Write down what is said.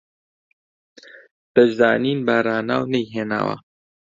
دەشزانین باراناو نەیهێناوە